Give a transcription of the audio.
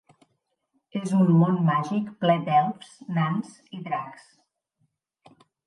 És un món màgic ple d'elfs, nans i dracs.